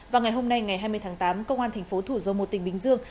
và ngày hôm nay ngày hai mươi tháng tám công an thành phố thủ dầu một tỉnh bình dương